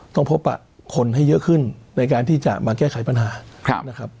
ต้องพบคนให้เยอะขึ้นในการที่จะมาแก้ไขปัญหานะครับ